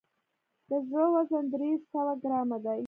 د زړه وزن درې سوه ګرامه دی.